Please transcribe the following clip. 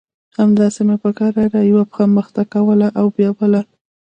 همداسې مې په کراره يوه پښه مخته کوله او بيا بله.